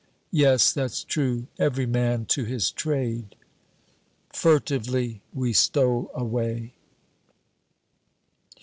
"Yes, that's true; every man to his trade." Furtively we stole away.